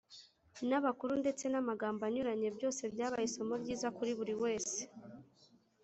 n’abakuru, ndetse n’amagambo anyuranye. byose byabaye isomo ryiza kuri buri wese.